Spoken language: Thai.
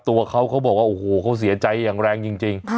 ตัวเขาเขาบอกว่าโอ้โหเขาเสียใจอย่างแรงจริง